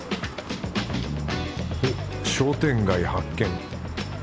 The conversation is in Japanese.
おっ商店街発見。